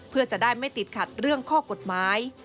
เพื่อจะได้ไม่ติดขัดเรื่องข้อกฎหมาย